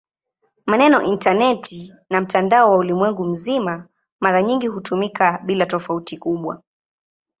Maneno "intaneti" na "mtandao wa ulimwengu mzima" mara nyingi hutumika bila tofauti kubwa.